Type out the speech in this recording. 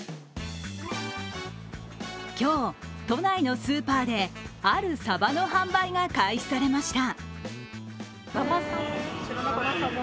今日、都内のスーパーであるサバの販売が開始されました。